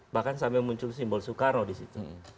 bahkan sampai muncul simbol soekarno di situ